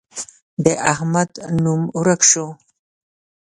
د احمد نوم ورک شو.